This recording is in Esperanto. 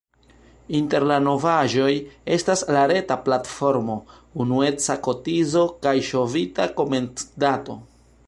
Inter la novaĵoj estas la reta platformo, unueca kotizo kaj ŝovita komencdato.